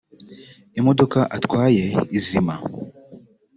imodoka atwaye izima